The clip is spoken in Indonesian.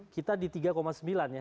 kita di tiga sembilan ya